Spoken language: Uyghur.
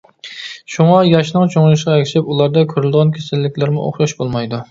شۇڭا ياشنىڭ چوڭىيىشىغا ئەگىشىپ ئۇلاردا كۆرۈلىدىغان كېسەللىكلەرمۇ ئوخشاش بولمايدۇ.